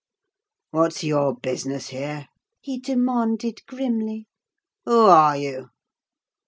"What's your business here?" he demanded, grimly. "Who are you?"